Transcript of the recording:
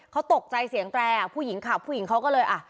เขาตกใจเสียงแตรผู้หญิงขับผู้หญิงเขาก็เลยอ่ะ